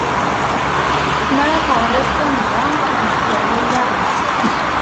Mi ara terwiḍ tamda, ad d-ikker wallaɣ-is.